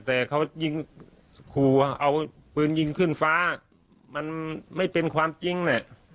แต่เขายิงขู่เอาปืนยิงขึ้นฟ้ามันไม่เป็นความจริงแหละ